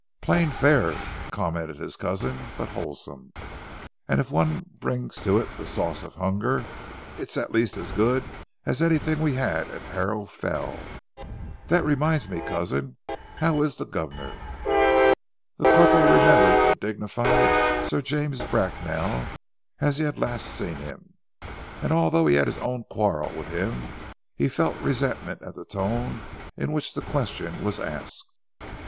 "Plain fare," commented his cousin, "but wholesome, and if one brings to it the sauce of hunger, it's at least as good as anything we had at Harrow Fell.... And that reminds me, cousin. How is the governor?" The corporal remembered the dignified Sir James Bracknell as he had last seen him, and although he had had his own quarrel with him, felt resentment at the tone in which the question was asked.